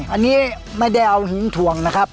อันนี้ไม่ได้เอาหินถ่วงนะครับ